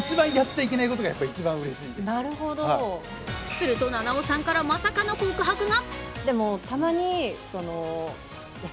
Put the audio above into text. すると、菜々緒さんからまさかの告白が。